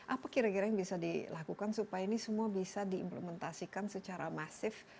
apa kira kira yang bisa dilakukan supaya ini semua bisa diimplementasikan secara masif